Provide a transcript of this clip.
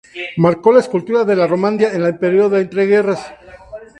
Marcó la escultura de la Romandía en el período de entreguerras.